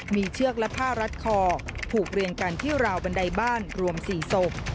มีเชือกและผ้ารัดคอผูกเรียงกันที่ราวบันไดบ้านรวม๔ศพ